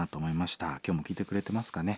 今日も聴いてくれてますかね。